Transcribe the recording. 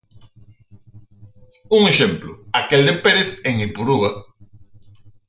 Un exemplo, aquel de Pérez en Ipurúa.